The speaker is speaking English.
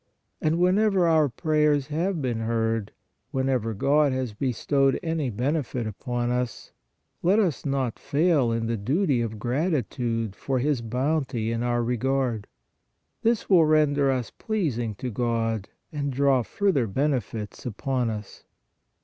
And whenever our prayers have been heard, when ever God has bestowed any benefit upon us, let us not fail in the duty of gratitude for His bounty in our regard. This will render us pleasing to God and draw further benefits upon us.